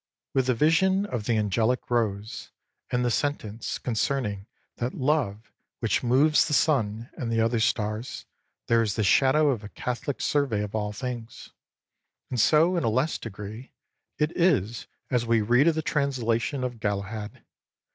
With the vision of the Angelic Rose and the sentence concerning that Love which moves the sun and the other stars there is the shadow of a catholic survey of all things ; and so in a less degree it is as we read of the translation of Galahad.